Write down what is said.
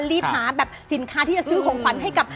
รีบหาแบบสินค้าที่จะซื้อของขวัญให้กับ